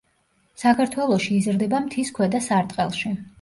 საქართველოში იზრდება მთის ქვედა სარტყელში.